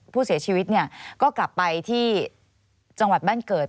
ผู้เสียชีวิตเนี่ยก็กลับไปที่จังหวัดบ้านเกิด